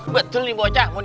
betul nih bocah